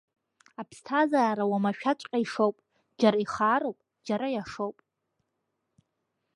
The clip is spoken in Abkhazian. Аԥсҭазаара умашәаҵәҟьа ишоуп, џьара ихаароуп, џьа иашоуп.